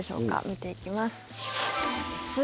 見ていきます。